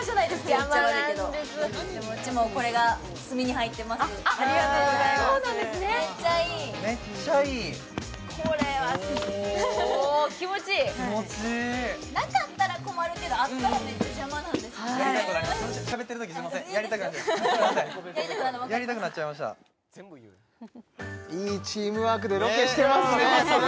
やりたくなるのわかりますいいチームワークでロケしてますね